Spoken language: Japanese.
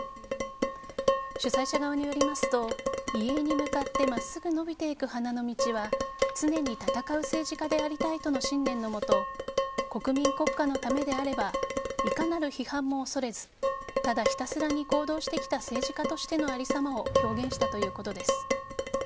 主催者側によりますと遺影に向かって真っすぐ伸びていく花の道は常に闘う政治家でありたいとの信念のもと国民、国家のためであればいかなる批判も恐れずただひたすらに行動してきた政治家としての有り様を表現したということです。